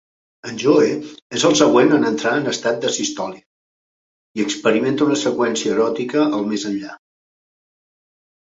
En Joe és el següent en entrar en estat d'asistòlia, i experimenta una seqüència eròtica al més enllà.